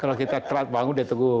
kalau kita telat bangun udah tegur